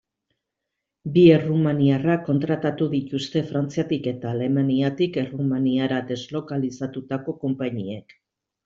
Bi errumaniarrak kontratatu dituzte Frantziatik eta Alemaniatik Errumaniara deslokalizatutako konpainiek.